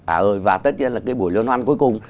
à ơi và tất nhiên là cái buổi lươn toán cuối cùng